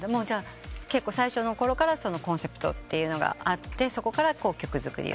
結構最初のころからそのコンセプトがあってそこから曲作りを？